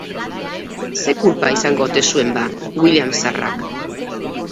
Ze kulpa izango ote zuen, ba, William zaharrak.